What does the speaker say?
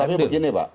tapi begini pak